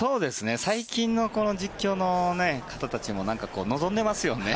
最近のこの実況の方たちもなんか望んでますよね。